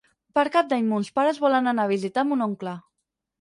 Per Cap d'Any mons pares volen anar a visitar mon oncle.